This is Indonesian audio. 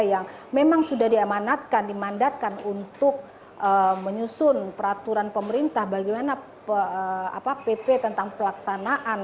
yang memang sudah diamanatkan dimandatkan untuk menyusun peraturan pemerintah bagaimana pp tentang pelaksanaan